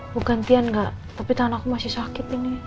bukan tian gak tapi tanganku masih sakit ini